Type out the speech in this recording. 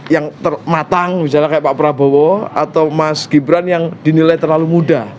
yang matang misalnya kayak pak prabowo atau mas gibran yang dinilai terlalu muda